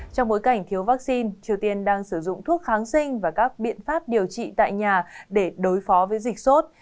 trong bối cảnh thiếu vaccine triều tiên đang sử dụng thuốc kháng sinh và các biện pháp điều trị tại nhà để đối phó với dịch sốt